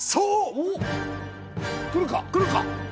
おっ来るか来るか？